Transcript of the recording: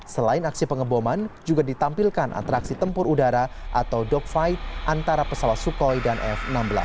selain aksi pengeboman juga ditampilkan atraksi tempur udara atau dogfight antara pesawat sukhoi dan f enam belas